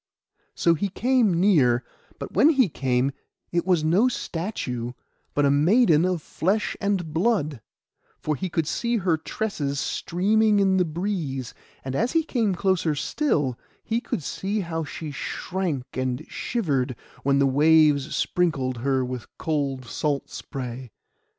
So he came near; but when he came, it was no statue, but a maiden of flesh and blood; for he could see her tresses streaming in the breeze; and as he came closer still, he could see how she shrank and shivered when the waves sprinkled her with cold salt spray.